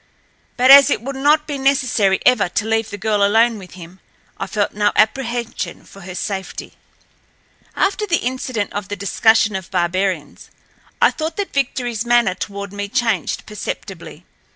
But as it would not be necessary ever to leave the girl alone with him I felt no apprehension for her safety. After the incident of the discussion of barbarians I thought that Victoryl's manner toward me changed perceptibly.